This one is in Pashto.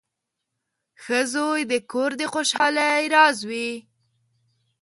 • ښه زوی د کور د خوشحالۍ راز وي.